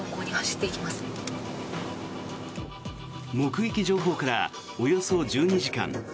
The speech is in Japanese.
目撃情報からおよそ１２時間。